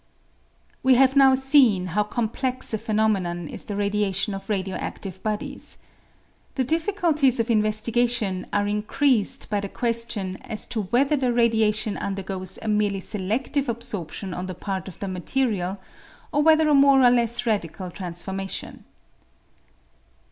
We have now seen how complex a phenomenon is the radiation of radio adive bodies. The difficulties of investi gation are increased by the question as to whether the radiation undergoes a merely seledive absorption on the part of the material, or whether a more or less radical transformation.